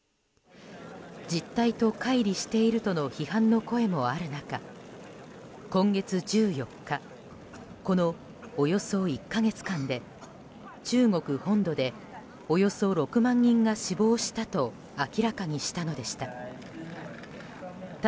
実態と乖離しているとの批判の声もある中今月１４日このおよそ１か月間で中国本土でおよそ６万人が死亡したと明らかにしたのでした。